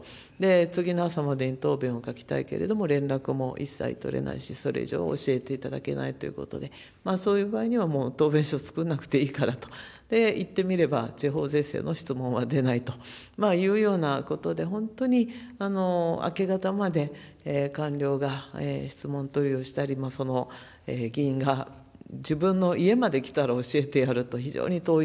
次の朝までに答弁を書きたいけれども、連絡も一切取れないし、それ以上教えていただけないということで、そういうふうに、もう答弁書作らなくてもいいからと行ってみれば、地方税制の質問は出ないというようなことで、本当に明け方まで官僚が質問取りをしたり、その議員が自分の家まで来たら教えてやると、非常に遠い